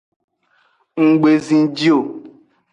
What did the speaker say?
Nggbe zinji o.